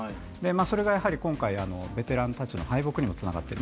それが今回、ベテランたちの敗北にもつながっている。